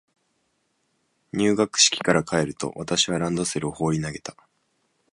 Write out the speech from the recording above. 入学式から帰ると、私はランドセルを放り投げた。